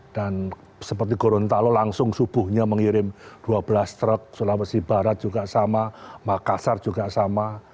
seperti gorontalo langsung subuhnya mengirim dua belas truk sulawesi barat juga sama makassar juga sama